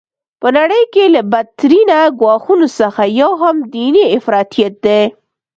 په نړۍ کي له بد ترینه ګواښونو څخه یو هم دیني افراطیت دی.